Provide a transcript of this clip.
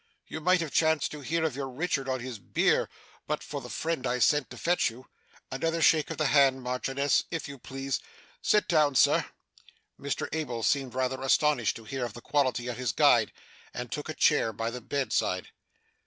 You might have chanced to hear of your Richard on his bier, but for the friend I sent to fetch you. Another shake of the hand, Marchioness, if you please. Sit down, Sir.' Mr Abel seemed rather astonished to hear of the quality of his guide, and took a chair by the bedside.